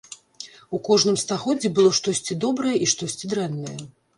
У кожным стагоддзі было штосьці добрае і штосьці дрэннае.